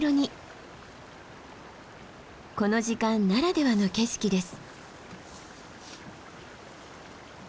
この時間ならではの景色です。